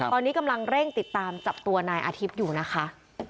ตอนนี้กำลังเร่งติดตามจับตัวนายอาทิตย์อยู่นะคะ